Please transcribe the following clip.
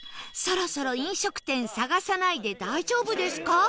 そろそろ飲食店探さないで大丈夫ですか？